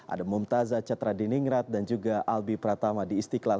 ada mumtazah catradiningrat dan juga albi pratama di istiqlal